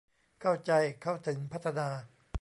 เข้าใจ เข้าถึง พัฒนา